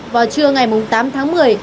vào trưa ngày tám tháng một mươi